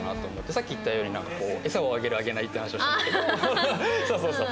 さっき言ったようになんか「餌をあげるあげない」って話をしたんだけどそうそうそう。